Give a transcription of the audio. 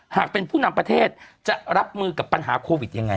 หากเป็นผู้นำประเทศจะรับมือกับปัญหาโควิดยังไง